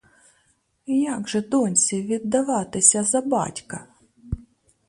Як же доньці віддаватися за батька?